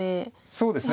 そうですね。